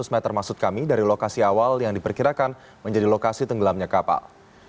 lima ratus meter maksud kami dari lokasi awal yang diperkirakan menjadi lokasi tenggelamnya kapal